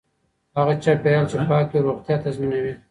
هغه چاپیریال چې پاک وي روغتیا تضمینوي.